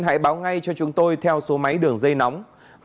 hãy báo ngay cho chúng tôi theo số máy đường dây nóng